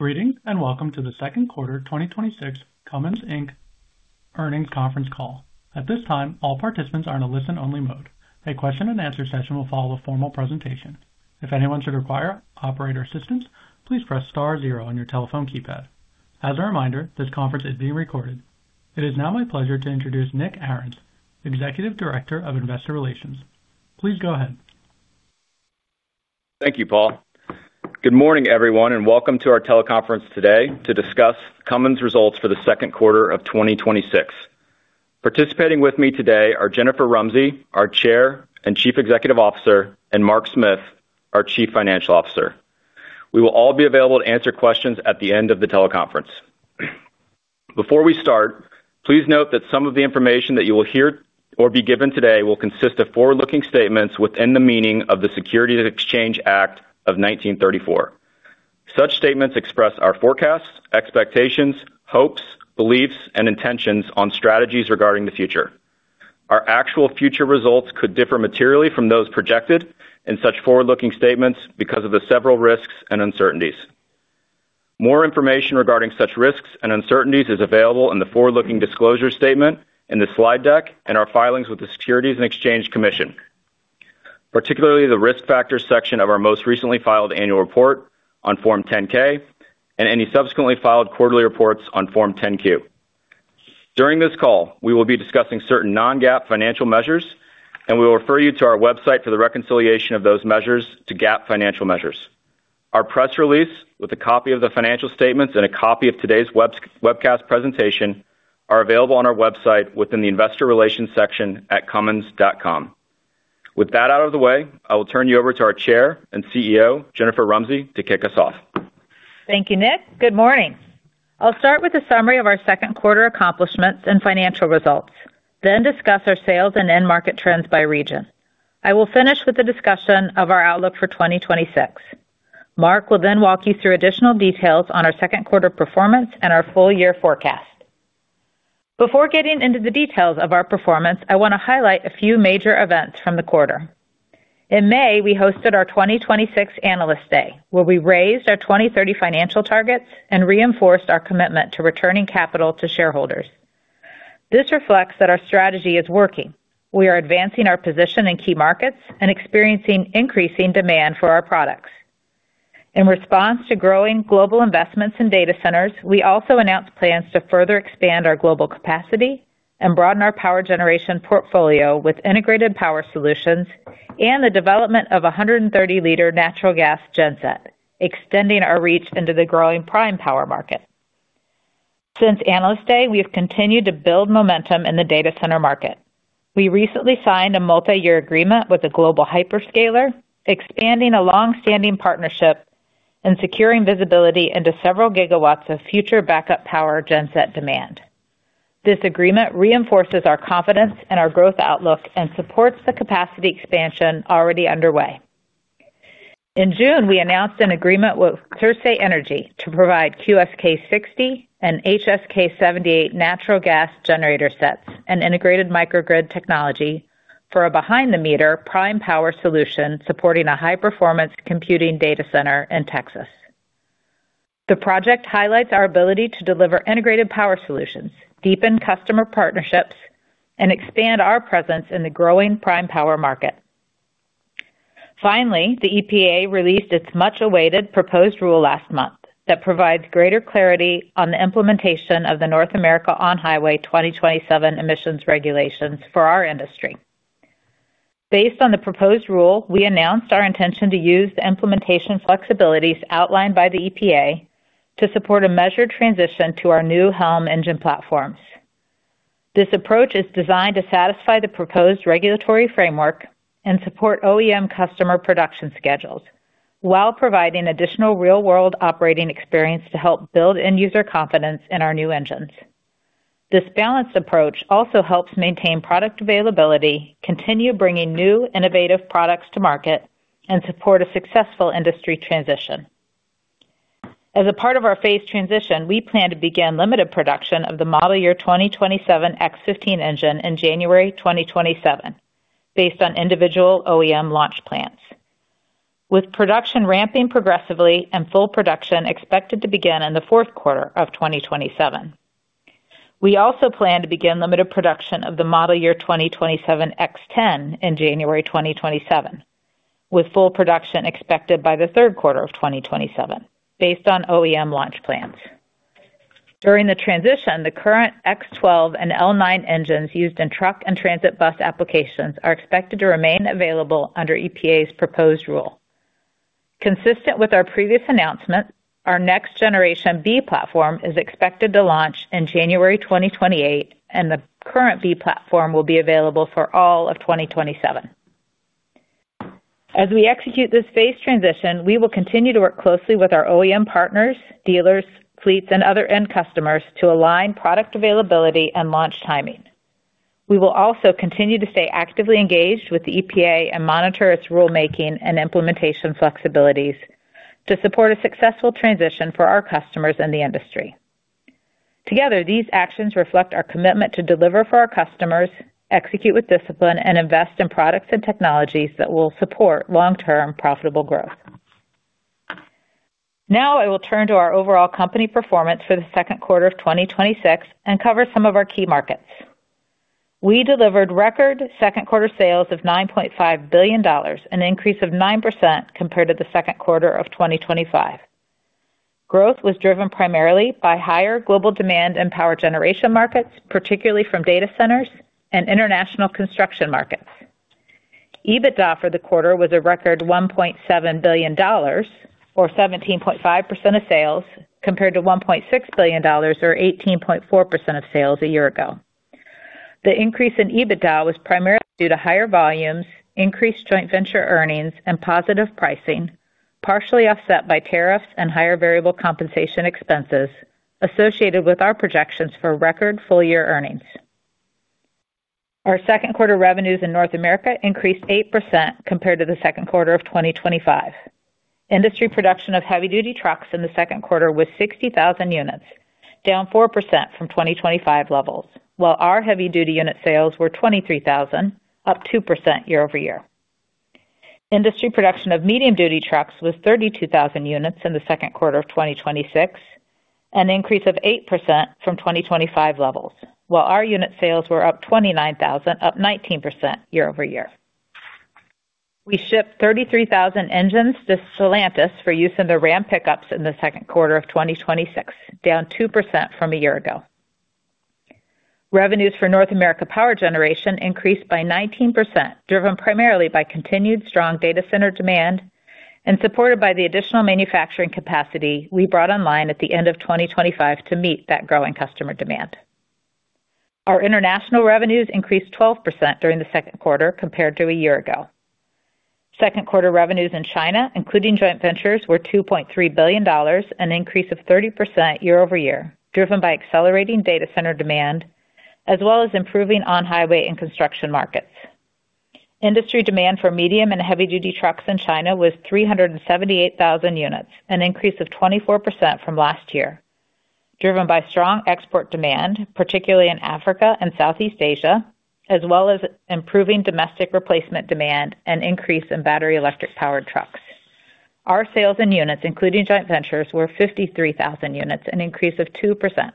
Greetings. Welcome to the second quarter 2026 Cummins Inc earnings conference call. At this time, all participants are in a listen-only mode. A question-and-answer session will follow the formal presentation. If anyone should require operator assistance, please press star zero on your telephone keypad. As a reminder, this conference is being recorded. It is now my pleasure to introduce Nick Arens, Executive Director of Investor Relations. Please go ahead. Thank you, Paul. Good morning, everyone. Welcome to our teleconference today to discuss Cummins results for the second quarter of 2026. Participating with me today are Jennifer Rumsey, our Chair and Chief Executive Officer, and Mark Smith, our Chief Financial Officer. We will all be available to answer questions at the end of the teleconference. Before we start, please note that some of the information that you will hear or be given today will consist of forward-looking statements within the meaning of the Securities Exchange Act of 1934. Such statements express our forecasts, expectations, hopes, beliefs, and intentions on strategies regarding the future. Our actual future results could differ materially from those projected in such forward-looking statements because of the several risks and uncertainties. More information regarding such risks and uncertainties is available in the forward-looking disclosure statement in the slide deck and our filings with the Securities and Exchange Commission, particularly the Risk Factors section of our most recently filed annual report on Form 10-K and any subsequently filed quarterly reports on Form 10-Q. During this call, we will be discussing certain non-GAAP financial measures. We will refer you to our website for the reconciliation of those measures to GAAP financial measures. Our press release with a copy of the financial statements and a copy of today's webcast presentation are available on our website within the investor relations section at cummins.com. With that out of the way, I will turn you over to our Chair and CEO, Jennifer Rumsey, to kick us off. Thank you, Nick. Good morning. I will start with a summary of our second quarter accomplishments and financial results, then discuss our sales and end market trends by region. I will finish with a discussion of our outlook for 2026. Mark will walk you through additional details on our second quarter performance and our full year forecast. Before getting into the details of our performance, I want to highlight a few major events from the quarter. In May, we hosted our 2026 Analyst Day, where we raised our 2030 financial targets and reinforced our commitment to returning capital to shareholders. This reflects that our strategy is working. We are advancing our position in key markets and experiencing increasing demand for our products. In response to growing global investments in data centers, we also announced plans to further expand our global capacity and broaden our power generation portfolio with integrated power solutions and the development of 130 L natural gas genset, extending our reach into the growing prime power market. Since Analyst Day, we have continued to build momentum in the data center market. We recently signed a multi-year agreement with a Global Hyperscaler, expanding a long-standing partnership and securing visibility into several gigawatts of future backup power genset demand. This agreement reinforces our confidence in our growth outlook and supports the capacity expansion already underway. In June, we announced an agreement with Circe Energy to provide QSK60 and HSK78 natural gas generator sets and integrated microgrid technology for a behind-the-meter prime power solution supporting a high-performance computing data center in Texas. The project highlights our ability to deliver integrated power solutions, deepen customer partnerships, and expand our presence in the growing prime power market. The EPA released its much-awaited proposed rule last month that provides greater clarity on the implementation of the North America On-Highway 2027 emissions regulations for our industry. Based on the proposed rule, we announced our intention to use the implementation flexibilities outlined by the EPA to support a measured transition to our new HELM engine platforms. This approach is designed to satisfy the proposed regulatory framework and support OEM customer production schedules while providing additional real-world operating experience to help build end-user confidence in our new engines. This balanced approach also helps maintain product availability, continue bringing new innovative products to market, and support a successful industry transition. As a part of our phase transition, we plan to begin limited production of the model year 2027 X15 engine in January 2027 based on individual OEM launch plans, with production ramping progressively and full production expected to begin in the fourth quarter of 2027. We also plan to begin limited production of the model year 2027 X10 in January 2027, with full production expected by the third quarter of 2027 based on OEM launch plans. During the transition, the current X12 and L9 engines used in truck and transit bus applications are expected to remain available under EPA's proposed rule. Consistent with our previous announcement, our next generation B platform is expected to launch in January 2028, and the current B platform will be available for all of 2027. As we execute this phase transition, we will continue to work closely with our OEM partners, dealers, fleets, and other end customers to align product availability and launch timing. We will also continue to stay actively engaged with the EPA and monitor its rulemaking and implementation flexibilities to support a successful transition for our customers and the industry. These actions reflect our commitment to deliver for our customers, execute with discipline, and invest in products and technologies that will support long-term profitable growth. I will turn to our overall company performance for the second quarter of 2026 and cover some of our key markets. We delivered record second quarter sales of $9.5 billion, an increase of 9% compared to the second quarter of 2025. Growth was driven primarily by higher global demand in power generation markets, particularly from data centers and international construction markets. EBITDA for the quarter was a record $1.7 billion, or 17.5% of sales, compared to $1.6 billion, or 18.4% of sales a year ago. The increase in EBITDA was primarily due to higher volumes, increased joint venture earnings, and positive pricing, partially offset by tariffs and higher variable compensation expenses associated with our projections for record full-year earnings. Our second quarter revenues in North America increased 8% compared to the second quarter of 2025. Industry production of heavy-duty trucks in the second quarter was 60,000 units, down 4% from 2025 levels, while our heavy-duty unit sales were 23,000, up 2% year-over-year. Industry production of medium-duty trucks was 32,000 units in the second quarter of 2026, an increase of 8% from 2025 levels, while our unit sales were up 29,000, up 19% year-over-year. We shipped 33,000 engines to Stellantis for use in their Ram pickups in the second quarter of 2026, down 2% from a year ago. Revenues for North America Power Systems increased by 19%, driven primarily by continued strong data center demand and supported by the additional manufacturing capacity we brought online at the end of 2025 to meet that growing customer demand. Our international revenues increased 12% during the second quarter compared to a year ago. Second quarter revenues in China, including joint ventures, were $2.3 billion, an increase of 30% year-over-year, driven by accelerating data center demand, as well as improving on-highway and construction markets. Industry demand for medium and heavy-duty trucks in China was 378,000 units, an increase of 24% from last year, driven by strong export demand, particularly in Africa and Southeast Asia, as well as improving domestic replacement demand and increase in battery electric-powered trucks. Our sales in units, including joint ventures, were 53,000 units, an increase of 2%.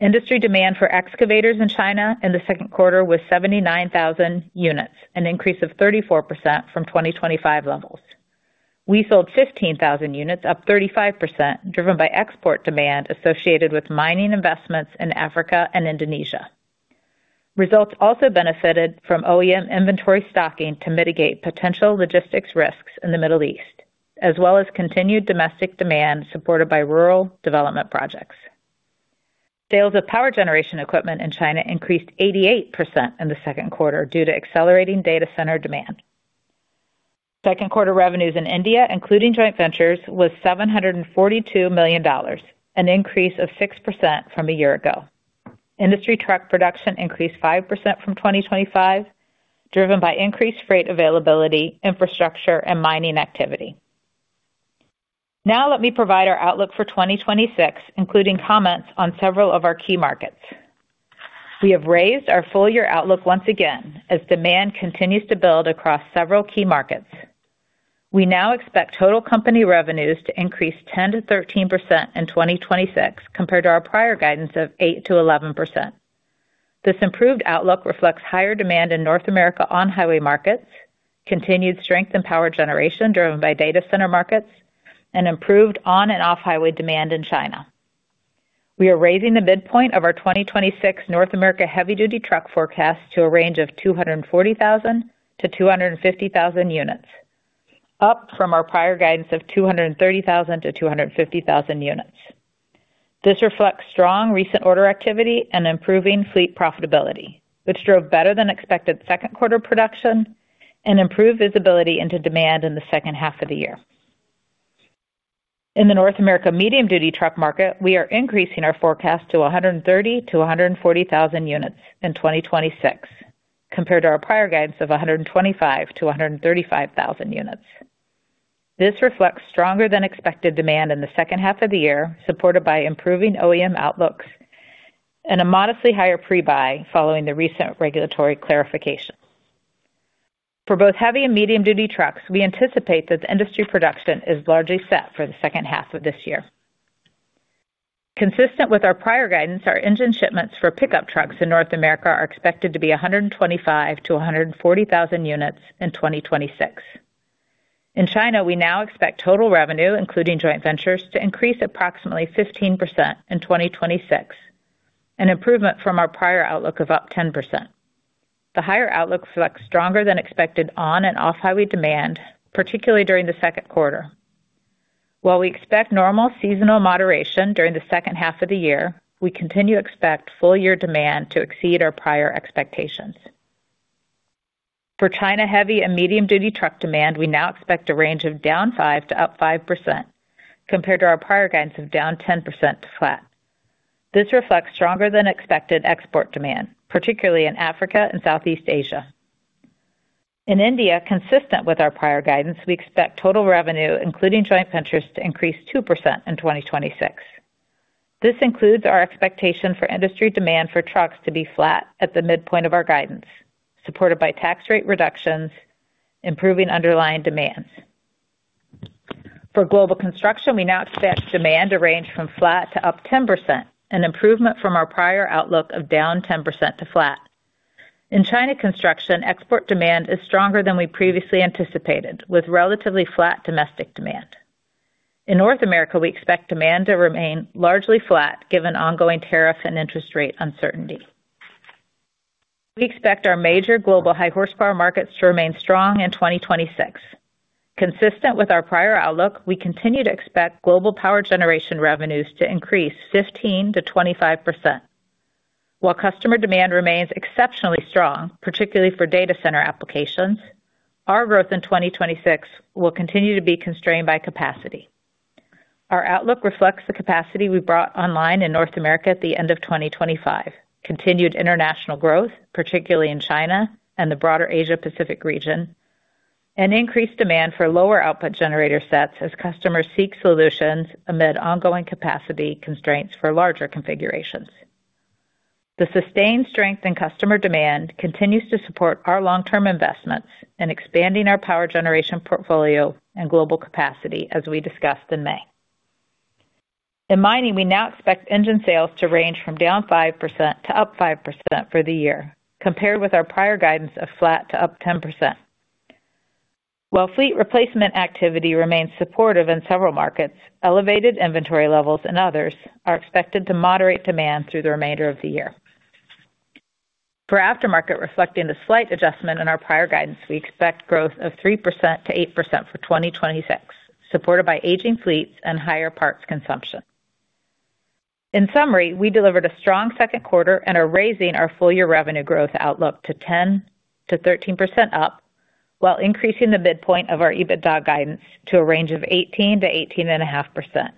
Industry demand for excavators in China in the second quarter was 79,000 units, an increase of 34% from 2025 levels. We sold 15,000 units, up 35%, driven by export demand associated with mining investments in Africa and Indonesia. Results also benefited from OEM inventory stocking to mitigate potential logistics risks in the Middle East, as well as continued domestic demand supported by rural development projects. Sales of power generation equipment in China increased 88% in the second quarter due to accelerating data center demand. Second quarter revenues in India, including joint ventures, was $742 million, an increase of 6% from a year ago. Industry truck production increased 5% from 2025, driven by increased freight availability, infrastructure, and mining activity. Let me provide our outlook for 2026, including comments on several of our key markets. We have raised our full-year outlook once again as demand continues to build across several key markets. We now expect total company revenues to increase 10%-13% in 2026 compared to our prior guidance of 8%-11%. This improved outlook reflects higher demand in North America on-highway markets, continued strength in power generation driven by data center markets, and improved on and off-highway demand in China. We are raising the midpoint of our 2026 North America heavy-duty truck forecast to a range of 240,000-250,000 units, up from our prior guidance of 230,000-250,000 units. This reflects strong recent order activity and improving fleet profitability, which drove better than expected second quarter production and improved visibility into demand in the second half of the year. In the North America medium-duty truck market, we are increasing our forecast to 130,000-140,000 units in 2026 compared to our prior guidance of 125,000-135,000 units. This reflects stronger than expected demand in the second half of the year, supported by improving OEM outlooks and a modestly higher pre-buy following the recent regulatory clarification. For both heavy and medium-duty trucks, we anticipate that industry production is largely set for the second half of this year. Consistent with our prior guidance, our engine shipments for pickup trucks in North America are expected to be 125,000-140,000 units in 2026. In China, we now expect total revenue, including joint ventures, to increase approximately 15% in 2026, an improvement from our prior outlook of up 10%. The higher outlook reflects stronger than expected on and off-highway demand, particularly during the second quarter. While we expect normal seasonal moderation during the second half of the year, we continue to expect full-year demand to exceed our prior expectations. For China heavy and medium-duty truck demand, we now expect a range of down 5% to up 5% compared to our prior guidance of down 10% to flat. This reflects stronger than expected export demand, particularly in Africa and Southeast Asia. In India, consistent with our prior guidance, we expect total revenue, including joint ventures, to increase 2% in 2026. This includes our expectation for industry demand for trucks to be flat at the midpoint of our guidance, supported by tax rate reductions, improving underlying demands. For global construction, we now expect demand to range from flat to up 10%, an improvement from our prior outlook of down 10% to flat. In China construction, export demand is stronger than we previously anticipated, with relatively flat domestic demand. In North America, we expect demand to remain largely flat given ongoing tariff and interest rate uncertainty. We expect our major global high horsepower markets to remain strong in 2026. Consistent with our prior outlook, we continue to expect global power generation revenues to increase 15%-25%. While customer demand remains exceptionally strong, particularly for data center applications, our growth in 2026 will continue to be constrained by capacity. Our outlook reflects the capacity we brought online in North America at the end of 2025, continued international growth, particularly in China and the broader Asia-Pacific region, and increased demand for lower output generator sets as customers seek solutions amid ongoing capacity constraints for larger configurations. The sustained strength in customer demand continues to support our long-term investments in expanding our power generation portfolio and global capacity, as we discussed in May. In mining, we now expect engine sales to range from down 5% to up 5% for the year, compared with our prior guidance of flat to up 10%. While fleet replacement activity remains supportive in several markets, elevated inventory levels and others are expected to moderate demand through the remainder of the year. For aftermarket, reflecting the slight adjustment in our prior guidance, we expect growth of 3%-8% for 2026, supported by aging fleets and higher parts consumption. In summary, we delivered a strong second quarter and are raising our full-year revenue growth outlook to 10%-13% up, while increasing the midpoint of our EBITDA guidance to a range of 18%-18.5%.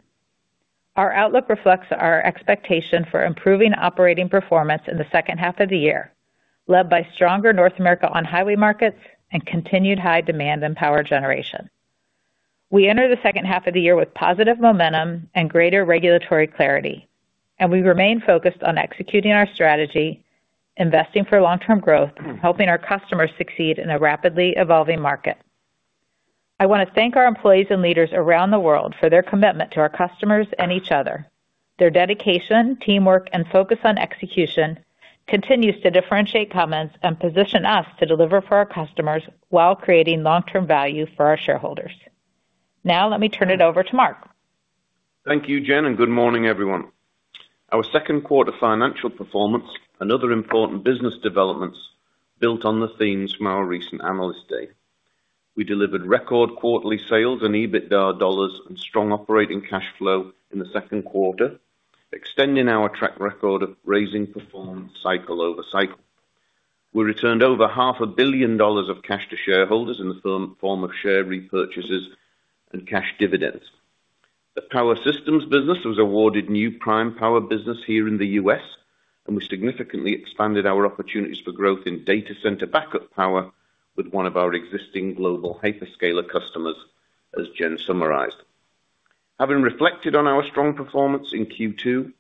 Our outlook reflects our expectation for improving operating performance in the second half of the year, led by stronger North America on highway markets and continued high demand in power generation. We enter the second half of the year with positive momentum and greater regulatory clarity. We remain focused on executing our strategy, investing for long-term growth, and helping our customers succeed in a rapidly evolving market. I want to thank our employees and leaders around the world for their commitment to our customers and each other. Their dedication, teamwork, and focus on execution continues to differentiate Cummins and position us to deliver for our customers while creating long-term value for our shareholders. Let me turn it over to Mark. Thank you, Jen, and good morning, everyone. Our second quarter financial performance and other important business developments built on the themes from our recent Analyst Day. We delivered record quarterly sales and EBITDA dollars and strong operating cash flow in the second quarter, extending our track record of raising performance cycle over cycle. We returned over $500 million of cash to shareholders in the form of share repurchases and cash dividends. The Power Systems business was awarded new prime power business here in the U.S. We significantly expanded our opportunities for growth in data center backup power with one of our existing global hyperscaler customers, as Jen summarized. Having reflected on our strong performance in Q2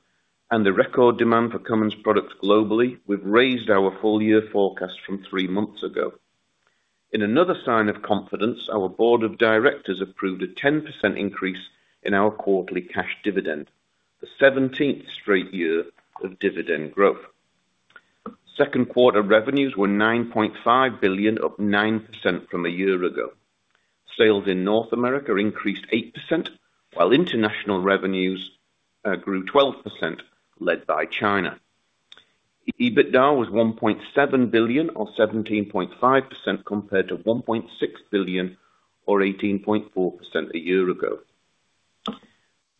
and the record demand for Cummins products globally, we've raised our full-year forecast from three months ago. In another sign of confidence, our Board of Directors approved a 10% increase in our quarterly cash dividend, the 17th straight year of dividend growth. Second quarter revenues were $9.5 billion, up 9% from a year ago. Sales in North America increased 8%, while international revenues grew 12%, led by China. EBITDA was $1.7 billion, or 17.5%, compared to $1.6 billion, or 18.4%, a year ago.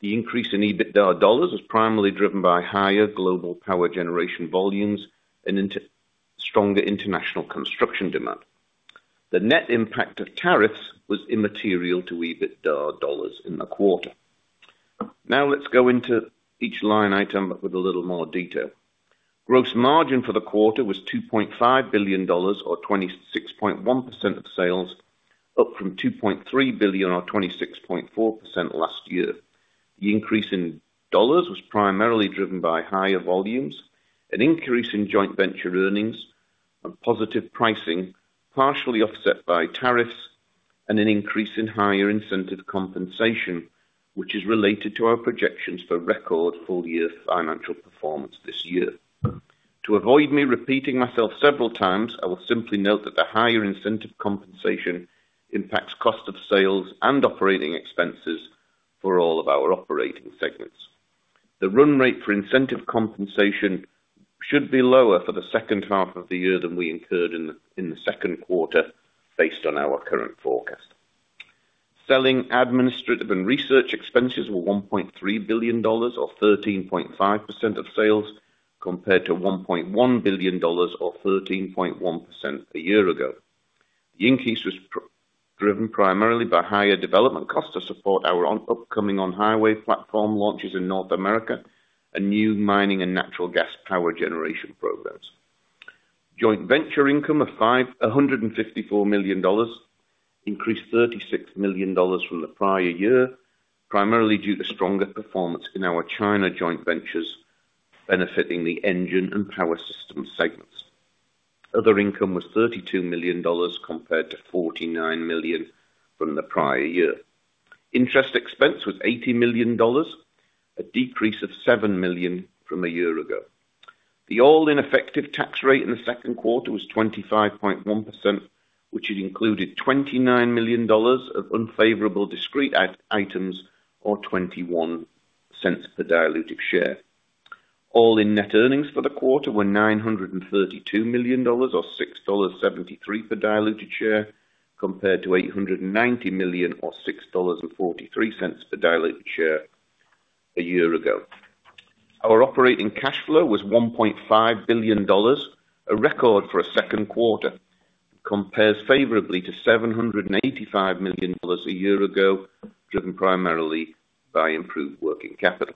The increase in EBITDA dollars was primarily driven by higher global power generation volumes and stronger international construction demand. The net impact of tariffs was immaterial to EBITDA dollars in the quarter. Let's go into each line item with a little more detail. Gross margin for the quarter was $2.5 billion or 26.1% of sales, up from $2.3 billion or 26.4% last year. The increase in dollars was primarily driven by higher volumes, an increase in joint venture earnings, and positive pricing, partially offset by tariffs and an increase in higher incentive compensation, which is related to our projections for record full-year financial performance this year. To avoid me repeating myself several times, I will simply note that the higher incentive compensation impacts cost of sales and operating expenses for all of our operating segments. The run rate for incentive compensation should be lower for the second half of the year than we incurred in the second quarter based on our current forecast. Selling, administrative, and research expenses were $1.3 billion, or 13.5% of sales, compared to $1.1 billion or 13.1% a year ago. The increase was driven primarily by higher development costs to support our upcoming on-highway platform launches in North America and new mining and natural gas power generation programs. Joint venture income of $154 million, increased $36 million from the prior year, primarily due to stronger performance in our China joint ventures, benefiting the engine and Power Systems segments. Other income was $32 million compared to $49 million from the prior year. Interest expense was $80 million, a decrease of $7 million from a year ago. The all-in effective tax rate in the second quarter was 25.1%, which included $29 million of unfavorable discrete items, or $0.21 per diluted share. All in net earnings for the quarter were $932 million, or $6.73 per diluted share, compared to $890 million or $6.43 per diluted share a year ago. Our operating cash flow was $1.5 billion, a record for a second quarter. It compares favorably to $785 million a year ago, driven primarily by improved working capital.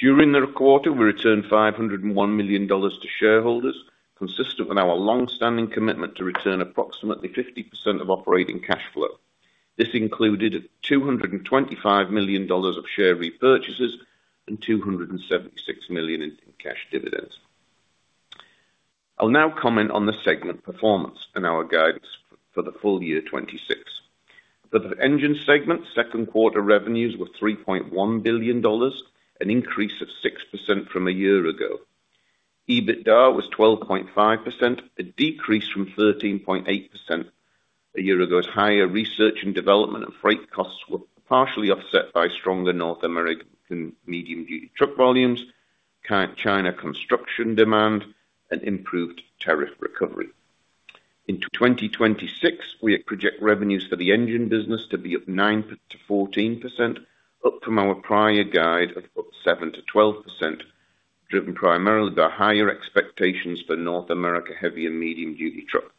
During the quarter, we returned $501 million to shareholders, consistent with our longstanding commitment to return approximately 50% of operating cash flow. This included $225 million of share repurchases and $276 million in cash dividends. I'll now comment on the segment performance and our guidance for the full year 2026. For the engine segment, second quarter revenues were $3.1 billion, an increase of 6% from a year ago. EBITDA was 12.5%, a decrease from 13.8% a year ago, as higher research and development and freight costs were partially offset by stronger North American medium-duty truck volumes, China construction demand, and improved tariff recovery. In 2026, we project revenues for the engine business to be up 9%-14%, up from our prior guide of 7%-12%, driven primarily by higher expectations for North America heavy and medium-duty trucks.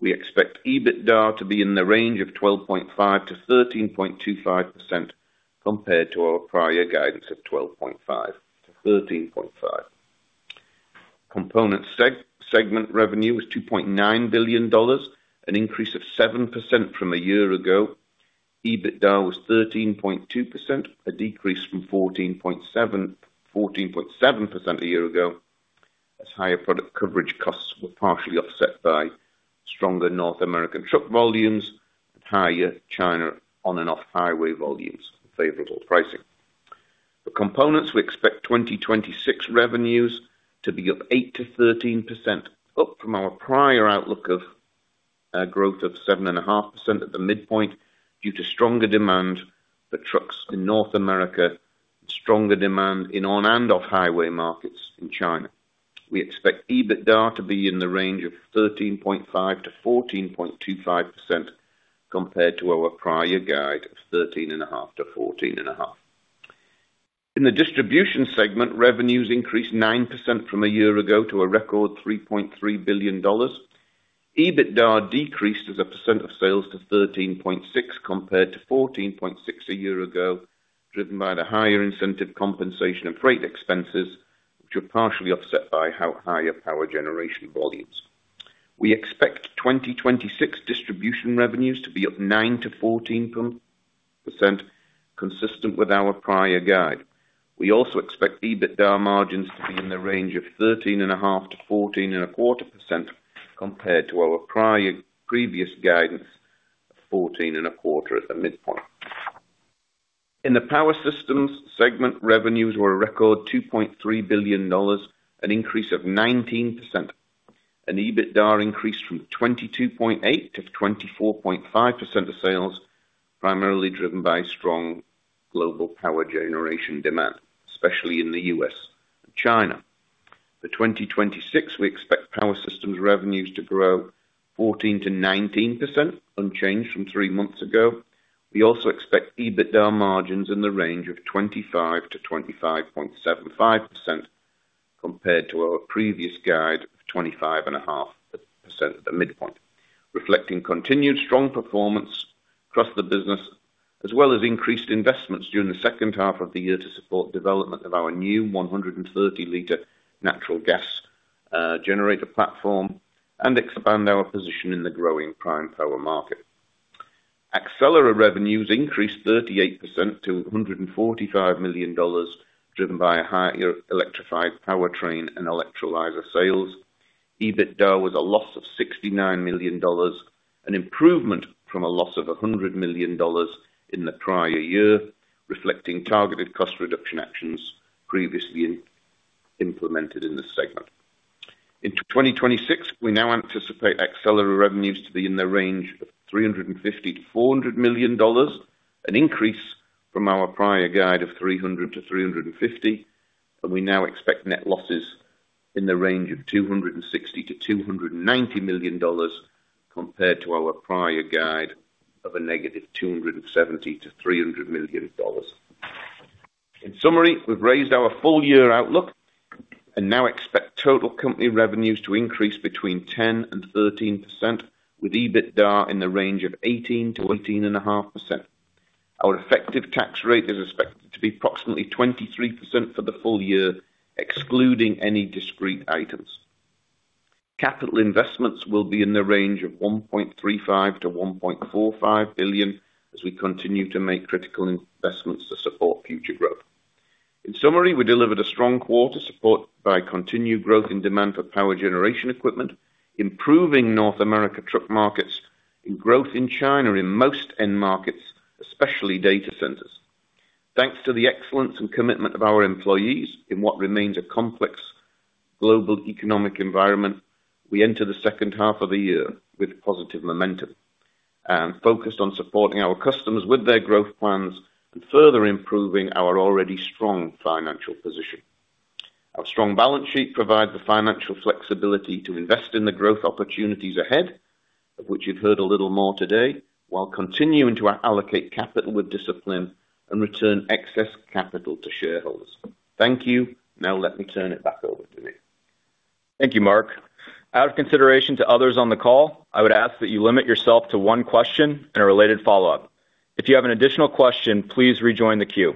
We expect EBITDA to be in the range of 12.5%-13.25%, compared to our prior guidance of 12.5%-13.5%. Component segment revenue was $2.9 billion, an increase of 7% from a year ago. EBITDA was 13.2%, a decrease from 14.7% a year ago, as higher product coverage costs were partially offset by stronger North American truck volumes and higher China on and off highway volumes, favorable pricing. For components, we expect 2026 revenues to be up 8%-13%, up from our prior outlook of growth of 7.5% at the midpoint, due to stronger demand for trucks in North America, stronger demand in on and off highway markets in China. We expect EBITDA to be in the range of 13.5%-14.25%, compared to our prior guide of 13.5%-14.5%. In the distribution segment, revenues increased 9% from a year ago to a record $3.3 billion. EBITDA decreased as a percent of sales to 13.6% compared to 14.6% a year ago, driven by the higher incentive compensation and freight expenses, which were partially offset by higher power generation volumes. We expect 2026 distribution revenues to be up 9%-14%, consistent with our prior guide. We also expect EBITDA margins to be in the range of 13.5%-14.25%, compared to our previous guidance of 14.25% at the midpoint. In the Power Systems segment, revenues were a record $2.3 billion, an increase of 19%, and EBITDA increased from 22.8%-24.5% of sales, primarily driven by strong global power generation demand, especially in the U.S. and China. For 2026, we expect Power Systems revenues to grow 14%-19%, unchanged from three months ago. We also expect EBITDA margins in the range of 25%-25.75%, compared to our previous guide of 25.5% at the midpoint, reflecting continued strong performance across the business, as well as increased investments during the second half of the year to support development of our new 130 L natural gas generator platform and expand our position in the growing prime power market. Accelera revenues increased 38% to $145 million, driven by a higher electrified powertrain and electrolyzer sales. EBITDA was a loss of $69 million, an improvement from a loss of $100 million in the prior year, reflecting targeted cost reduction actions previously implemented in this segment. In 2026, we now anticipate Accelera revenues to be in the range of $350 million-$400 million, an increase from our prior guide of $300 million-$350 million, and we now expect net losses in the range of $260 million-$290 million, compared to our prior guide of $-270 million-$300 million. In summary, we've raised our full year outlook and now expect total company revenues to increase between 10% and 13%, with EBITDA in the range of 18%-18.5%. Our effective tax rate is expected to be approximately 23% for the full year, excluding any discrete items. Capital investments will be in the range of $1.35 billion-$1.45 billion as we continue to make critical investments to support future growth. In summary, we delivered a strong quarter supported by continued growth in demand for power generation equipment, improving North America truck markets, and growth in China in most end markets, especially data centers. Thanks to the excellence and commitment of our employees in what remains a complex global economic environment, we enter the second half of the year with positive momentum, and focused on supporting our customers with their growth plans and further improving our already strong financial position. Our strong balance sheet provides the financial flexibility to invest in the growth opportunities ahead, of which you've heard a little more today, while continuing to allocate capital with discipline and return excess capital to shareholders. Thank you. Now let me turn it back over to Nick. Thank you, Mark. Out of consideration to others on the call, I would ask that you limit yourself to one question and a related follow-up. If you have an additional question, please rejoin the queue.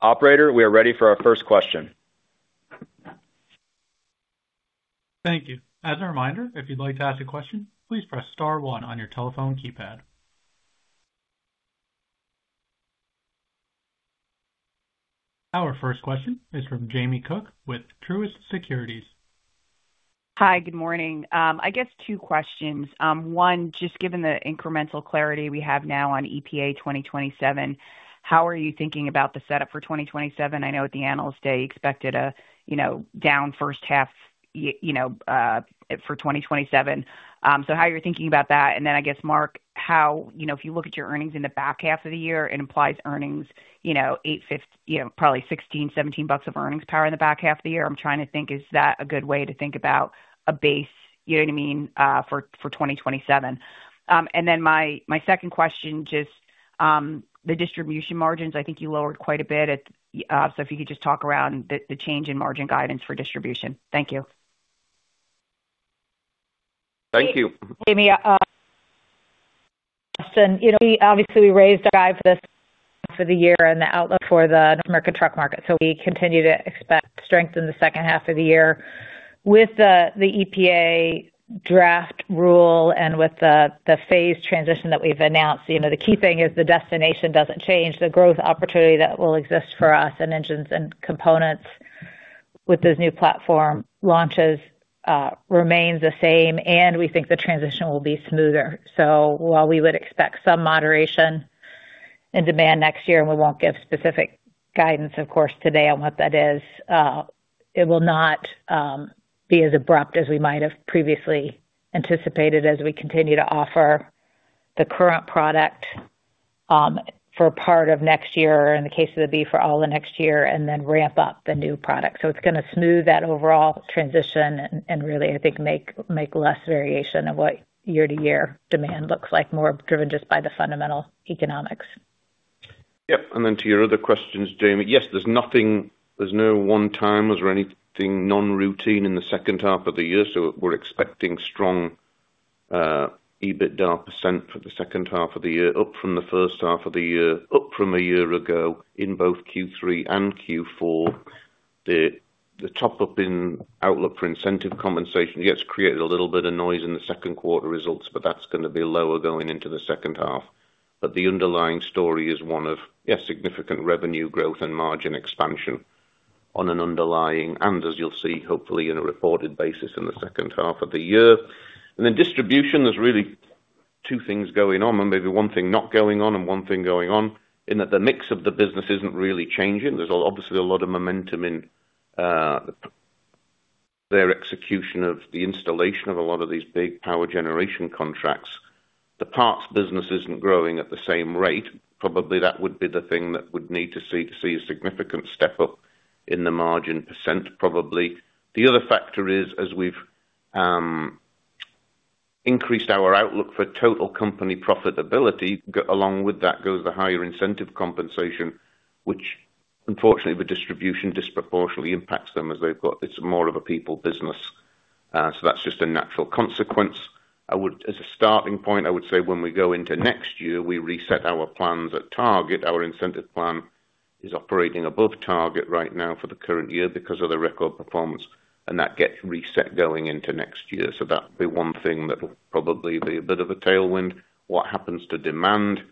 Operator, we are ready for our first question. Thank you. As a reminder, if you'd like to ask a question, please press star one on your telephone keypad. Our first question is from Jamie Cook with Truist Securities. Hi, good morning. I guess two questions. One, just given the incremental clarity we have now on EPA 2027, how are you thinking about the setup for 2027? I know at the Analyst Day, you expected a down first half for 2027. How you're thinking about that, I guess, Mark, if you look at your earnings in the back half of the year, it implies earnings probably $16, $17 of earnings power in the back half of the year. I'm trying to think, is that a good way to think about a base, you know what I mean, for 2027? My second question, just the distribution margins, I think you lowered quite a bit. If you could just talk around the change in margin guidance for distribution. Thank you. Thank you. Jamie. Obviously, we raised our guide for the year and the outlook for the North American truck market. We continue to expect strength in the second half of the year. With the EPA draft rule and with the phase transition that we've announced, the key thing is the destination doesn't change. The growth opportunity that will exist for us in engines and components with those new platform launches remains the same, and we think the transition will be smoother. While we would expect some moderation in demand next year, and we won't give specific guidance, of course, today on what that is, it will not be as abrupt as we might have previously anticipated as we continue to offer the current product for a part of next year or in the case of the B, for all of next year, and then ramp up the new product. It's going to smooth that overall transition and really, I think, make less variation of what year-to-year demand looks like, more driven just by the fundamental economics. Yep. To your other questions, Jamie. Yes, there's no one time was there anything non-routine in the second half of the year, we're expecting strong EBITDA percent for the second half of the year, up from the first half of the year, up from a year ago in both Q3 and Q4. The top-up in outlook for incentive compensation, yes, created a little bit of noise in the second quarter results, but that's going to be lower going into the second half. The underlying story is one of, yes, significant revenue growth and margin expansion on an underlying, and as you'll see, hopefully in a reported basis in the second half of the year. Distribution, there's really two things going on, and maybe one thing not going on and one thing going on, in that the mix of the business isn't really changing. There's obviously a lot of momentum in their execution of the installation of a lot of these big power generation contracts. The parts business isn't growing at the same rate. Probably that would be the thing that would need to see a significant step up in the margin percent, probably. The other factor is, as we've increased our outlook for total company profitability, along with that goes the higher incentive compensation, which unfortunately with distribution disproportionately impacts them as it's more of a people business. That's just a natural consequence. As a starting point, I would say when we go into next year, we reset our plans at target. Our incentive plan is operating above target right now for the current year because of the record performance, and that gets reset going into next year. That will be one thing that will probably be a bit of a tailwind. What happens to demand?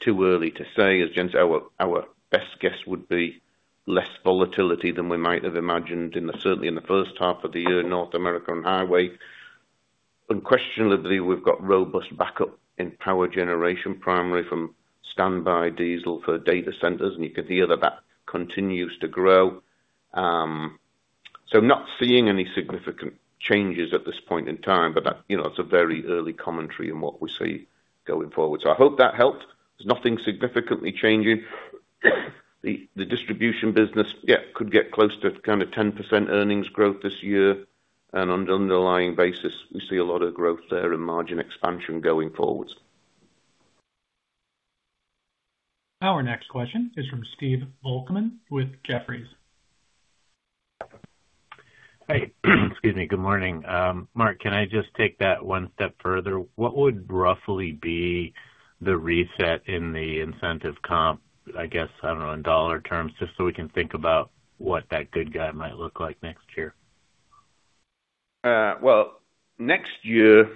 Too early to say. As Jen said, our best guess would be less volatility than we might have imagined certainly in the first half of the year, North American highway. Unquestionably, we've got robust backup in power generation, primarily from standby diesel for data centers, and you can hear that that continues to grow. Not seeing any significant changes at this point in time, but that's a very early commentary on what we see going forward. I hope that helped. There's nothing significantly changing. The distribution business, yeah, could get close to 10% earnings growth this year, and on an underlying basis, we see a lot of growth there and margin expansion going forwards. Our next question is from Steve Volkmann with Jefferies. Hi. Excuse me. Good morning. Mark, can I just take that one step further? What would roughly be the reset in the incentive comp, I guess, I don't know, in dollar terms, we can think about what that good guide might look like next year. Next year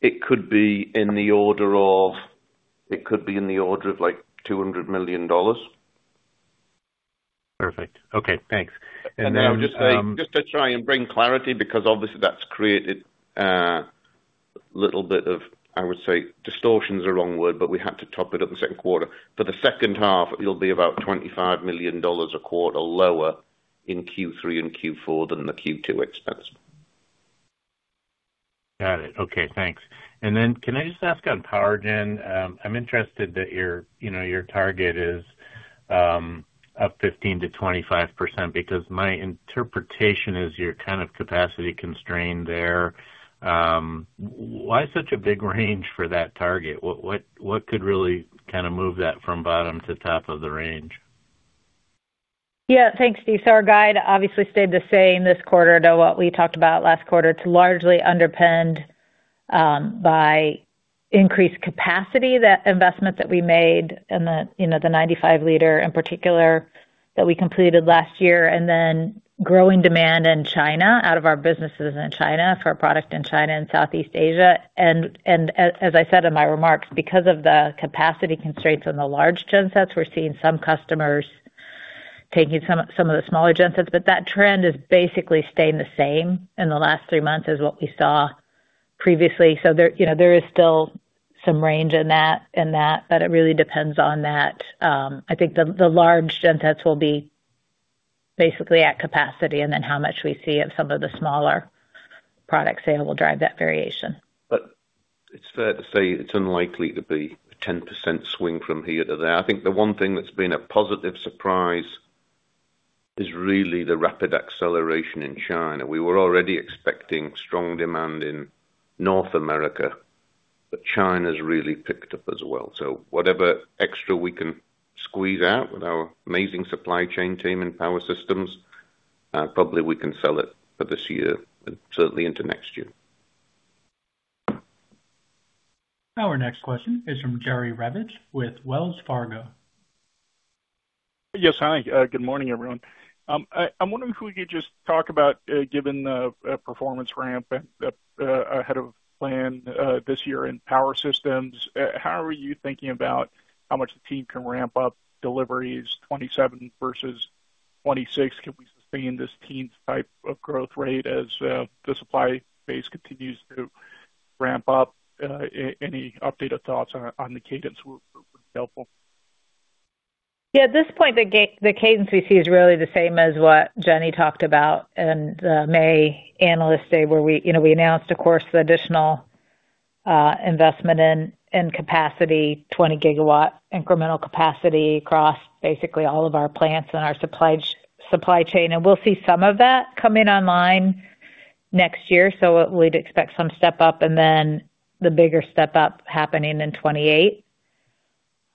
it could be in the order of like $200 million. Perfect. Okay, thanks. I would just say, just to try and bring clarity, because obviously that's created a little bit of, I would say distortion is the wrong word, but we had to top it up the second quarter. For the second half, it'll be about $25 million a quarter lower in Q3 and Q4 than the Q2 expense. Got it. Okay, thanks. Can I just ask on PowerGen, I'm interested that your target is up 15%-25%, because my interpretation is you're kind of capacity constrained there. Why such a big range for that target? What could really kind of move that from bottom to top of the range? Thanks, Steve. Our guide obviously stayed the same this quarter to what we talked about last quarter. It's largely underpinned by increased capacity, that investment that we made and the 95 L in particular that we completed last year, then growing demand in China out of our businesses in China for our product in China and Southeast Asia. As I said in my remarks, because of the capacity constraints on the large gensets, we're seeing some customers taking some of the smaller gensets. That trend is basically staying the same in the last three months as what we saw previously. There is still some range in that, but it really depends on that. I think the large gensets will be basically at capacity, then how much we see of some of the smaller product sale will drive that variation. It's fair to say it's unlikely to be a 10% swing from here to there. I think the one thing that's been a positive surprise is really the rapid acceleration in China. We were already expecting strong demand in North America, China's really picked up as well. Whatever extra we can squeeze out with our amazing supply chain team in Power Systems, probably we can sell it for this year and certainly into next year. Our next question is from Jerry Revich with Wells Fargo. Yes. Hi. Good morning, everyone. I'm wondering if we could just talk about, given the performance ramp ahead of plan this year in Power Systems, how are you thinking about how much the team can ramp up deliveries 2027 versus 2026? Can we sustain this team's type of growth rate as the supply base continues to ramp up? Any updated thoughts on the cadence will be helpful. Yeah. At this point, the cadence we see is really the same as what Jenny talked about in the May analyst day, where we announced, of course, the additional investment in capacity, 20 GW incremental capacity across basically all of our plants and our supply chain. We'll see some of that coming online next year. We'd expect some step-up and then the bigger step-up happening in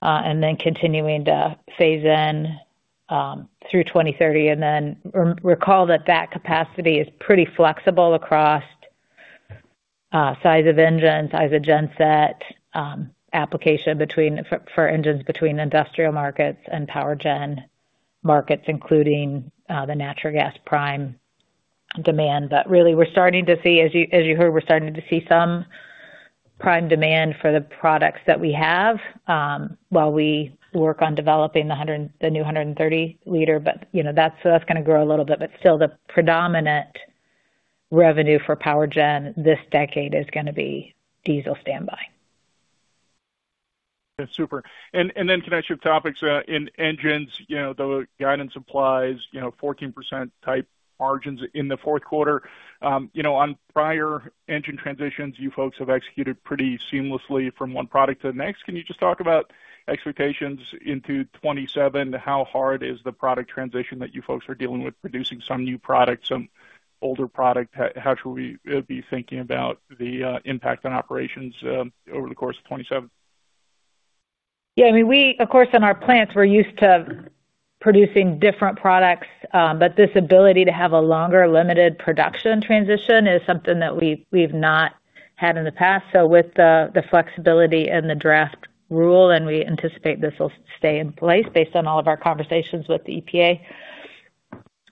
2028, continuing to phase in through 2030. Recall that that capacity is pretty flexible across size of engine, size of genset, application for engines between industrial markets and PowerGen markets, including the natural gas prime demand. Really we're starting to see, as you heard, we're starting to see some prime demand for the products that we have, while we work on developing the new 130 L. That's going to grow a little bit, but still the predominant revenue for PowerGen this decade is going to be diesel standby. That's super. Can I shift topics? In engines, the guidance applies 14% type margins in the fourth quarter. On prior engine transitions, you folks have executed pretty seamlessly from one product to the next. Can you just talk about expectations into 2027? How hard is the product transition that you folks are dealing with producing some new products, some older product? How should we be thinking about the impact on operations over the course of 2027? Of course, in our plants, we're used to producing different products. This ability to have a longer limited production transition is something that we've not had in the past. With the flexibility and the draft rule, and we anticipate this will stay in place based on all of our conversations with the EPA,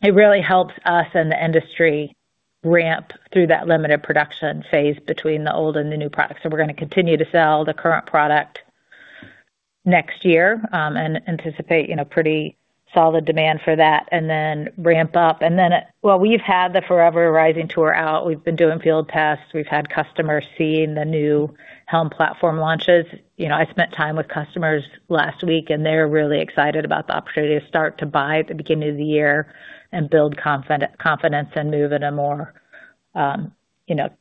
it really helps us and the industry ramp through that limited production phase between the old and the new product. We're going to continue to sell the current product next year, and anticipate pretty solid demand for that and then ramp up. We've had the Forever Rising Tour out. We've been doing field tests. We've had customers seeing the new HELM platform launches. I spent time with customers last week, they're really excited about the opportunity to start to buy at the beginning of the year and build confidence and move in a more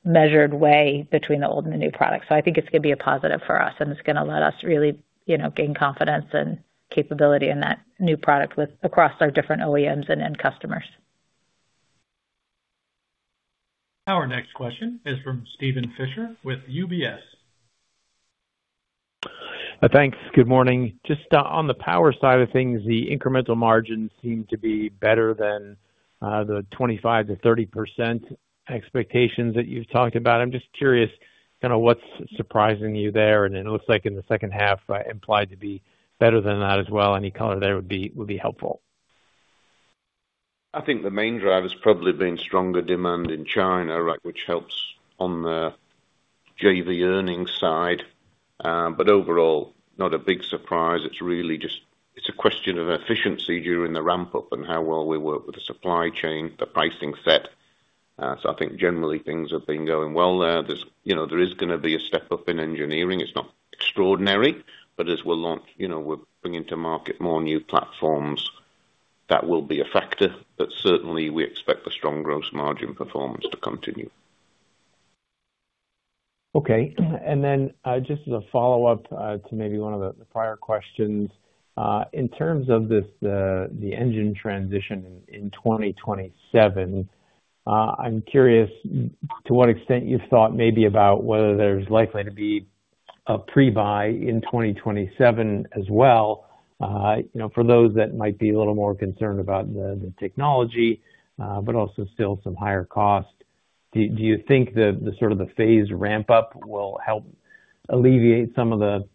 measured way between the old and the new product. I think it's going to be a positive for us, and it's going to let us really gain confidence and capability in that new product across our different OEMs and end customers. Our next question is from Steven Fisher with UBS. Thanks. Good morning. Just on the power side of things, the incremental margins seem to be better than the 25%-30% expectations that you've talked about. I'm just curious, what's surprising you there? It looks like in the second half implied to be better than that as well. Any color there would be helpful. I think the main drive has probably been stronger demand in China, which helps on the JV earnings side. Overall, not a big surprise. It's a question of efficiency during the ramp-up and how well we work with the supply chain, the pricing set. I think generally things have been going well there. There is going to be a step-up in engineering. It's not extraordinary, but as we launch, we're bringing to market more new platforms, that will be a factor. Certainly, we expect the strong gross margin performance to continue. Okay. Just as a follow-up to maybe one of the prior questions. In terms of the engine transition in 2027, I'm curious to what extent you've thought maybe about whether there's likely to be a pre-buy in 2027 as well, for those that might be a little more concerned about the technology, also still some higher cost. Do you think the phase ramp-up will help alleviate some of the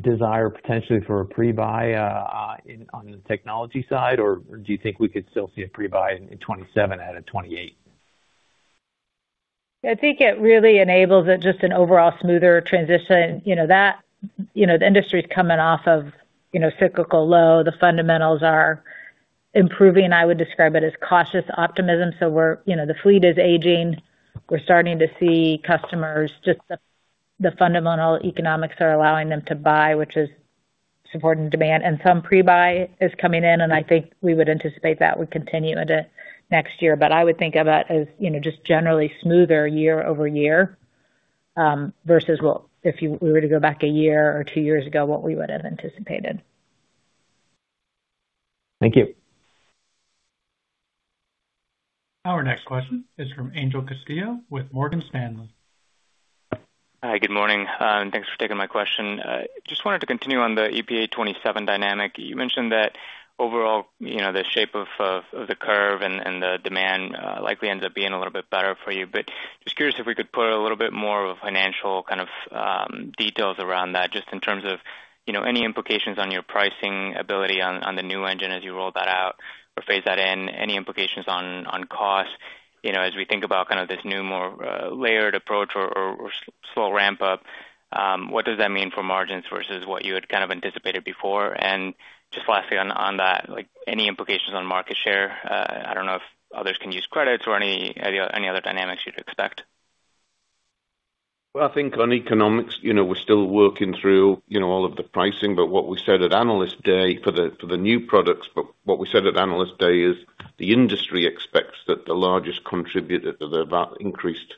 desire potentially for a pre-buy on the technology side? Do you think we could still see a pre-buy in 2027 out of 2028? I think it really enables it, just an overall smoother transition. The industry's coming off of cyclical low. The fundamentals are improving, and I would describe it as cautious optimism. The fleet is aging. We're starting to see customers, just the fundamental economics are allowing them to buy, which is supporting demand. Some pre-buy is coming in, and I think we would anticipate that would continue into next year. I would think of it as just generally smoother year-over-year, versus, if we were to go back a year or two years ago, what we would have anticipated. Thank you. Our next question is from Angel Castillo with Morgan Stanley. Hi, good morning, and thanks for taking my question. Just wanted to continue on the EPA 2027 dynamic. You mentioned that overall, the shape of the curve and the demand likely ends up being a little bit better for you. Just curious if we could put a little bit more of a financial kind of details around that, just in terms of any implications on your pricing ability on the new engine as you roll that out or phase that in. Any implications on cost as we think about this new, more layered approach or slow ramp-up. What does that mean for margins versus what you had anticipated before? Just lastly on that, any implications on market share? I don't know if others can use credits or any other dynamics you'd expect. I think on economics, we're still working through all of the pricing. What we said at Analyst Day for the new products, what we said at Analyst Day is the industry expects that the largest contributor to the increased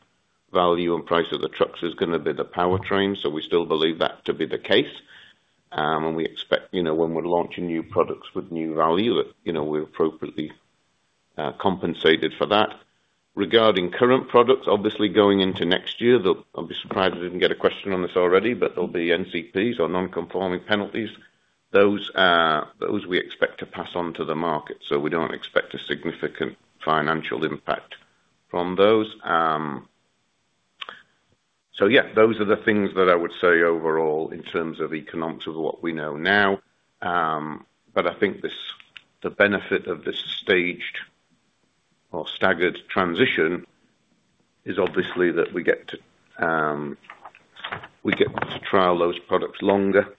value and price of the trucks is going to be the powertrain. We still believe that to be the case. We expect when we're launching new products with new value, that we're appropriately compensated for that. Regarding current products, obviously going into next year, I'll be surprised if I didn't get a question on this already, but there'll be NCPs or non-conforming penalties. Those we expect to pass on to the market. We don't expect a significant financial impact from those. Yeah, those are the things that I would say overall in terms of economics of what we know now. I think the benefit of this staged or staggered transition is obviously that we get to trial those products longer.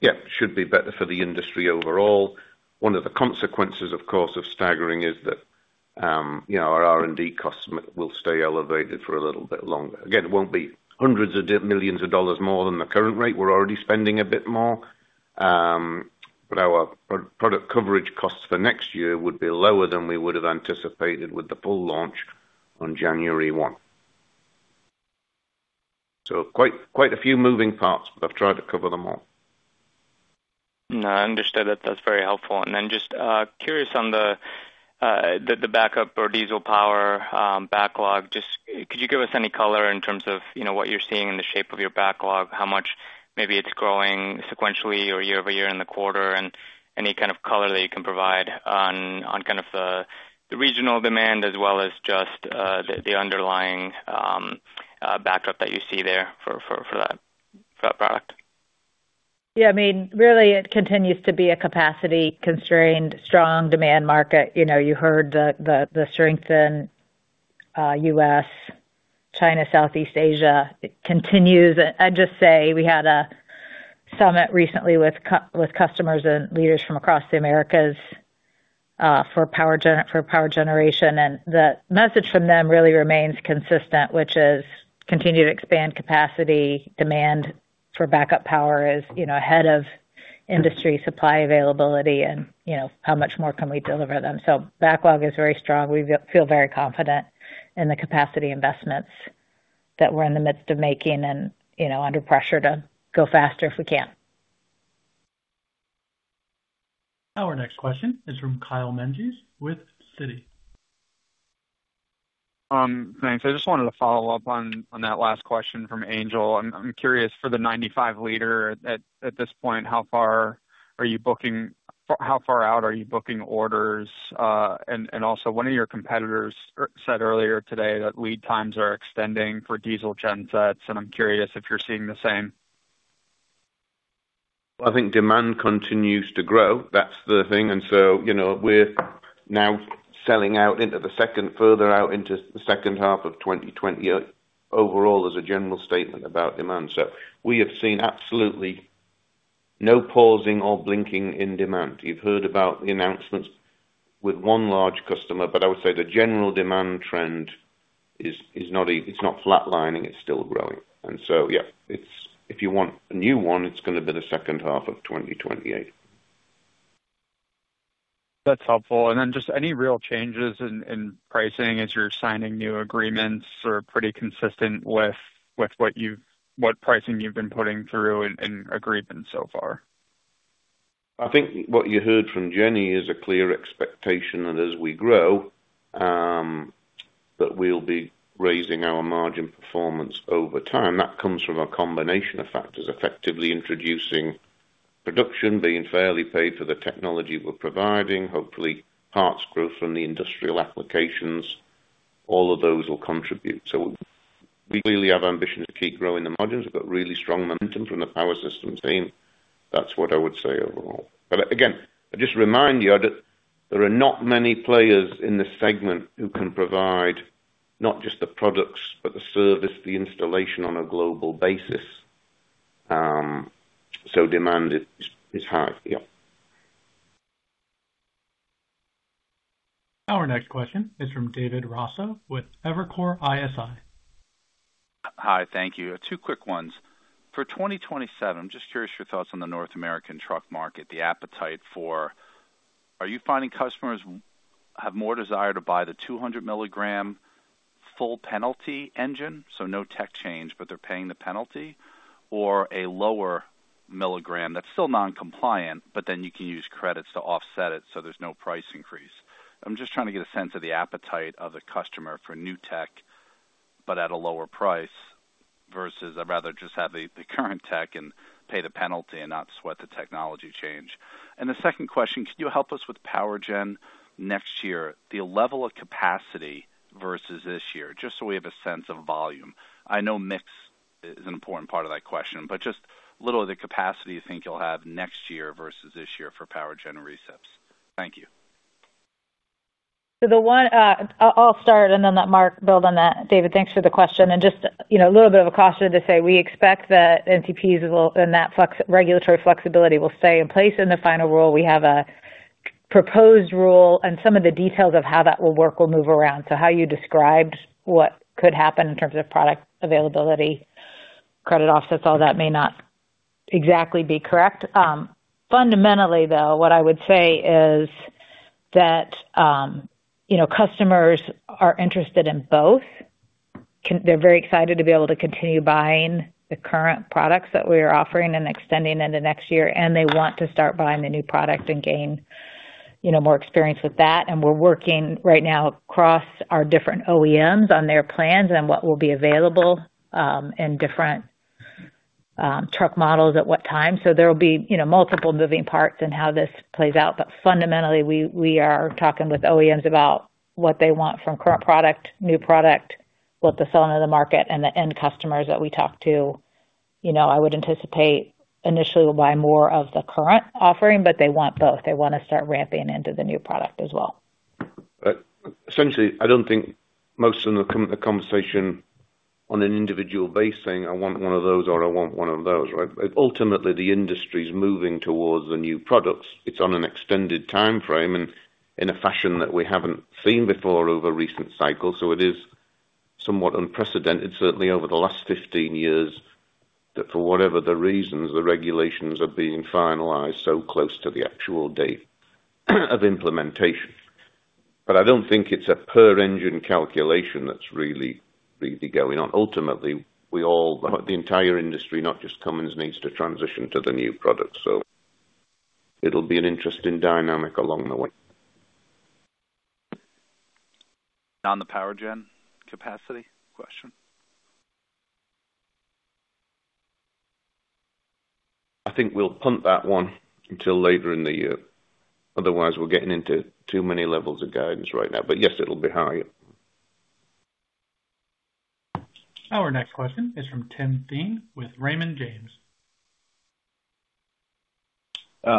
Yeah, should be better for the industry overall. One of the consequences, of course, of staggering is that our R&D costs will stay elevated for a little bit longer. Again, it won't be hundreds of millions of dollars more than the current rate. We're already spending a bit more. Our product coverage costs for next year would be lower than we would have anticipated with the full launch on January 1. Quite a few moving parts, but I've tried to cover them all. I understood that. That's very helpful. Just curious on the backup or diesel power backlog, could you give us any color in terms of what you're seeing in the shape of your backlog, how much maybe it's growing sequentially or year-over-year in the quarter, and any kind of color that you can provide on kind of the regional demand as well as just the underlying backup that you see there for that product? Really, it continues to be a capacity-constrained, strong demand market. You heard the strength in U.S., China, Southeast Asia. It continues. I'd just say we had a summit recently with customers and leaders from across the Americas for power generation, and the message from them really remains consistent, which is continue to expand capacity, demand for backup power is ahead of industry supply availability, and how much more can we deliver them? The backlog is very strong. We feel very confident in the capacity investments that we're in the midst of making and under pressure to go faster if we can. Our next question is from Kyle Menges with Citi. Thanks. I just wanted to follow up on that last question from Angel. I'm curious for the 95 L at this point, how far out are you booking orders? Also, one of your competitors said earlier today that lead times are extending for diesel gensets, and I'm curious if you're seeing the same. Well, I think demand continues to grow, that's the thing. So, we're now selling out further out into the second half of 2028, overall as a general statement about demand. We have seen absolutely no pausing or blinking in demand. You've heard about the announcements with one large customer, I would say the general demand trend, it's not flat lining, it's still growing. So yeah, if you want a new one, it's going to be the second half of 2028. That's helpful. Then just any real changes in pricing as you're signing new agreements? Pretty consistent with what pricing you've been putting through in agreements so far? I think what you heard from Jenny is a clear expectation that as we grow, that we'll be raising our margin performance over time. That comes from a combination of factors, effectively introducing production, being fairly paid for the technology we're providing, hopefully parts growth from the industrial applications. All of those will contribute. We clearly have ambition to keep growing the margins. We've got really strong momentum from the Power Systems team. That's what I would say overall. Again, I'd just remind you, there are not many players in this segment who can provide not just the products, but the service, the installation on a global basis. Demand is high. Yep. Our next question is from David Raso with Evercore ISI. Hi, thank you. Two quick ones. For 2027, I'm just curious your thoughts on the North American truck market, the appetite for Are you finding customers have more desire to buy the 200 mg full penalty engine, so no tech change, but they're paying the penalty? Or a lower milligram that's still non-compliant, but you can use credits to offset it so there's no price increase. I'm just trying to get a sense of the appetite of the customer for new tech, but at a lower price versus I'd rather just have the current tech and pay the penalty and not sweat the technology change. The second question, could you help us with PowerGen next year, the level of capacity versus this year, just so we have a sense of volume. I know mix is an important part of that question, just a little of the capacity you think you'll have next year versus this year for PowerGen [receipts]. Thank you. I'll start and then let Mark build on that. David, thanks for the question. Just a little bit of a caution to say we expect that NCPs and that regulatory flexibility will stay in place in the final rule. We have a proposed rule, and some of the details of how that will work will move around. How you described what could happen in terms of product availability, credit offsets, all that may not exactly be correct. Fundamentally, though, what I would say is that customers are interested in both. They're very excited to be able to continue buying the current products that we are offering and extending into next year. They want to start buying the new product and gain more experience with that. We're working right now across our different OEMs on their plans and what will be available, and different truck models at what time. There will be multiple moving parts in how this plays out. Fundamentally, we are talking with OEMs about what they want from current product, new product, what the sell into the market and the end customers that we talk to. I would anticipate initially will buy more of the current offering, but they want both. They want to start ramping into the new product as well. Essentially, I don't think most of the conversation on an individual base saying, "I want one of those," or, "I want one of those," right? Ultimately, the industry's moving towards the new products. It's on an extended timeframe and in a fashion that we haven't seen before over recent cycles. It is somewhat unprecedented, certainly over the last 15 years, that for whatever the reasons, the regulations are being finalized so close to the actual date of implementation. I don't think it's a per engine calculation that's really going on. Ultimately, we all, the entire industry, not just Cummins, needs to transition to the new product. It'll be an interesting dynamic along the way. On the PowerGen capacity question. I think we'll punt that one until later in the year. We're getting into too many levels of guidance right now. Yes, it'll be high. Our next question is from Tim Thein with Raymond James.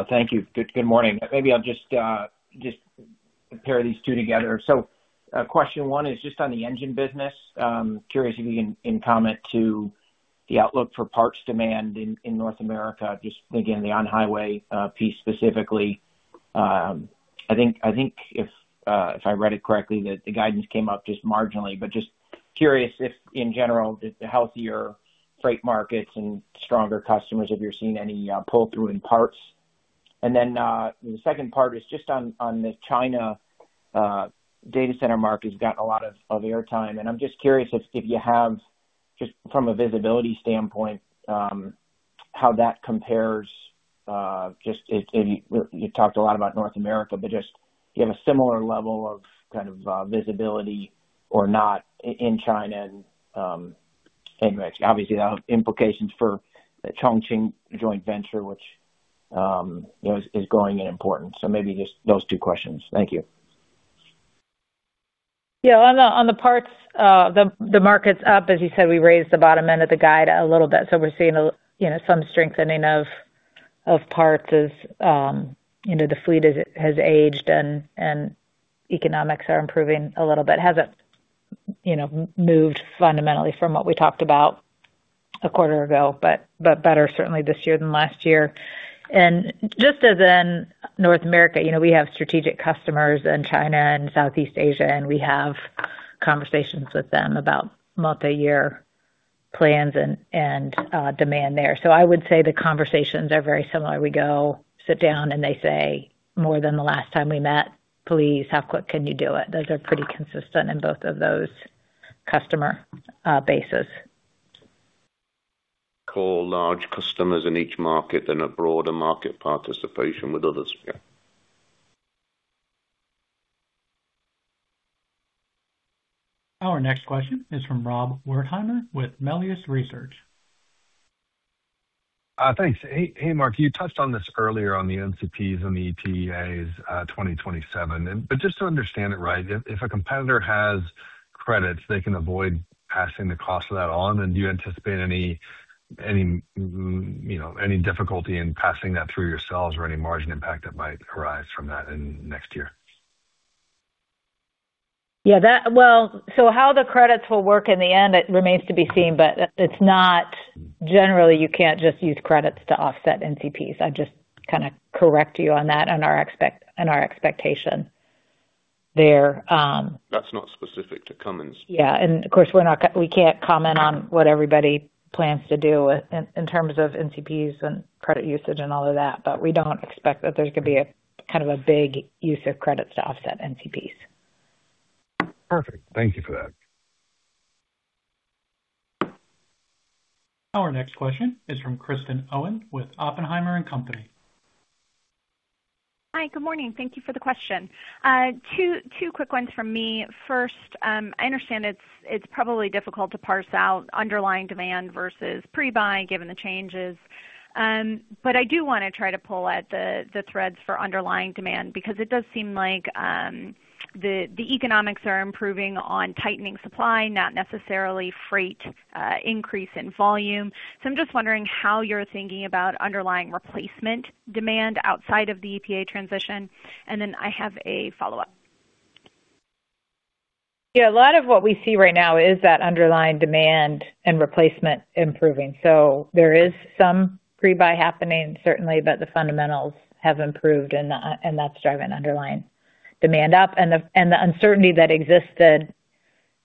Thank you. Good morning. Maybe I'll just pair these two together. Question one is just on the engine business. Curious if you can comment to the outlook for parts demand in North America, just again, the on-highway piece specifically. I think if I read it correctly, that the guidance came up just marginally, just curious if in general, the healthier freight markets and stronger customers, if you're seeing any pull-through in parts. The second part is just on the China data center market has gotten a lot of air time, I'm just curious if you have Just from a visibility standpoint, how that compares. You talked a lot about North America, just do you have a similar level of visibility or not in China and emerging? Obviously, that has implications for the Chongqing joint venture, which is growing in importance. Maybe just those two questions. Thank you. Yeah. On the parts, the market's up. As you said, we raised the bottom end of the guide a little bit. We're seeing some strengthening of parts as the fleet has aged and economics are improving a little bit. Hasn't moved fundamentally from what we talked about a quarter ago, but better certainly this year than last year. Just as in North America, we have strategic customers in China and Southeast Asia, and we have conversations with them about multi-year plans and demand there. I would say the conversations are very similar. We go sit down and they say, "More than the last time we met, please, how quick can you do it?" Those are pretty consistent in both of those customer bases. Core large customers in each market and a broader market participation with others. Our next question is from Rob Wertheimer with Melius Research. Thanks. Hey, Mark, you touched on this earlier on the NCPs and the EPA 2027. Just to understand it right, if a competitor has credits, they can avoid passing the cost of that on, do you anticipate any difficulty in passing that through yourselves or any margin impact that might arise from that in next year? How the credits will work in the end, it remains to be seen, but generally, you can't just use credits to offset NCPs. I just correct you on that on our expectation there. That's not specific to Cummins. Of course, we can't comment on what everybody plans to do in terms of NCPs and credit usage and all of that, but we don't expect that there's going to be a big use of credits to offset NCPs. Perfect. Thank you for that. Our next question is from Kristen Owen with Oppenheimer Company. Hi, good morning. Thank you for the question. Two quick ones from me. First, I understand it's probably difficult to parse out underlying demand versus pre-buy given the changes. I do want to try to pull at the threads for underlying demand because it does seem like the economics are improving on tightening supply, not necessarily freight increase in volume. I'm just wondering how you're thinking about underlying replacement demand outside of the EPA transition, and then I have a follow-up. Yeah, a lot of what we see right now is that underlying demand and replacement improving. There is some pre-buy happening, certainly, the fundamentals have improved and that's driven underlying demand up and the uncertainty that existed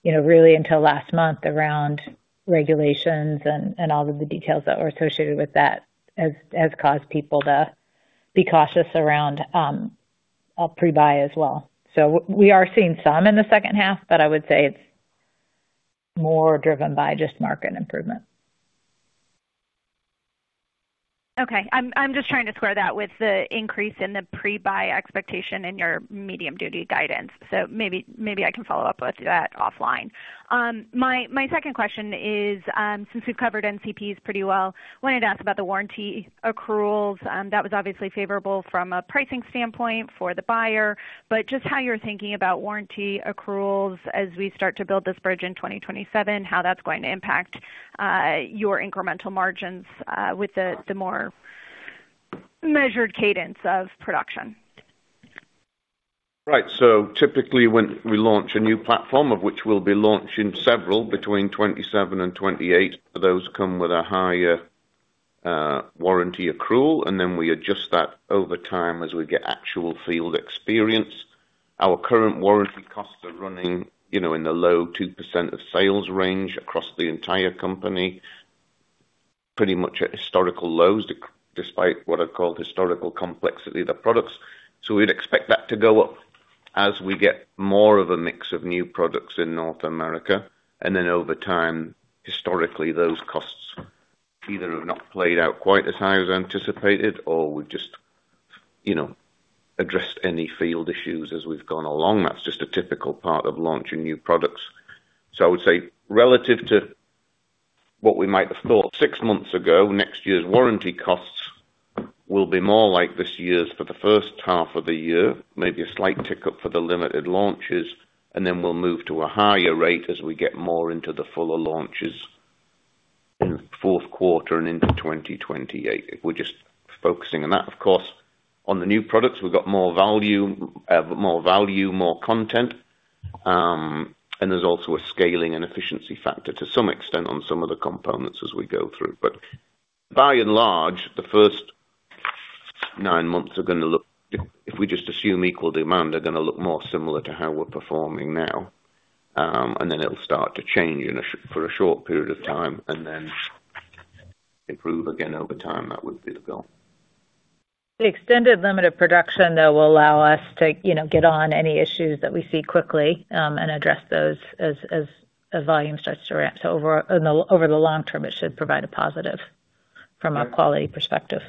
really until last month around regulations and all of the details that were associated with that has caused people to be cautious around pre-buy as well. We are seeing some in the second half, I would say it's more driven by just market improvement. Okay. I'm just trying to square that with the increase in the pre-buy expectation in your medium duty guidance. Maybe I can follow up with you at offline. My second question is, since we've covered NCPs pretty well, wanted to ask about the warranty accruals. That was obviously favorable from a pricing standpoint for the buyer, just how you're thinking about warranty accruals as we start to build this bridge in 2027, how that's going to impact your incremental margins with the more measured cadence of production. Typically, when we launch a new platform, of which we'll be launching several between 2027 and 2028, those come with a higher warranty accrual, and then we adjust that over time as we get actual field experience. Our current warranty costs are running in the low 2% of sales range across the entire company, pretty much at historical lows, despite what I'd call historical complexity of the products. We'd expect that to go up as we get more of a mix of new products in North America. Over time, historically, those costs either have not played out quite as high as anticipated or we've just addressed any field issues as we've gone along. That's just a typical part of launching new products. I would say relative to what we might have thought six months ago, next year's warranty costs will be more like this year's for the first half of the year, maybe a slight tick up for the limited launches, and then we'll move to a higher rate as we get more into the fuller launches in fourth quarter and into 2028. If we're just focusing on that, of course, on the new products, we've got more value, more content and there's also a scaling and efficiency factor to some extent on some of the components as we go through. By and large, the first nine months, if we just assume equal demand, are going to look more similar to how we're performing now, and then it'll start to change for a short period of time and then improve again over time. That would be the goal. The extended limited production, though, will allow us to get on any issues that we see quickly and address those as volume starts to ramp. Over the long term, it should provide a positive from a quality perspective.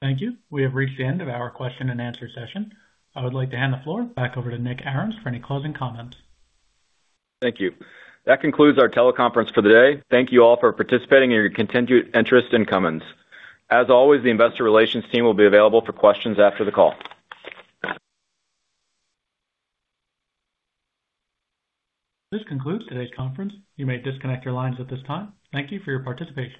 Thank you. We have reached the end of our question and answer session. I would like to hand the floor back over to Nick Arens for any closing comments. Thank you. That concludes our teleconference for the day. Thank you all for participating and your continued interest in Cummins. As always, the investor relations team will be available for questions after the call. This concludes today's conference. You may disconnect your lines at this time. Thank you for your participation.